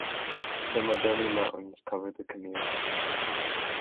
The Madonie Mountains cover the commune.